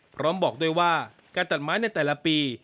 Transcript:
พร้อมบอกด้วยว่าการตัดไม้ในแต่ละปี